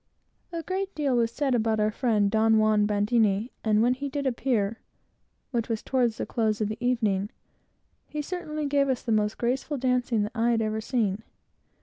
A great deal was said about our friend Don Juan Bandini, and when he did appear, which was toward the close of the evening, he certainly gave us the most graceful dancing that I had ever seen.